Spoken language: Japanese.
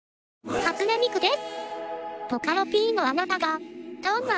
初音ミクです。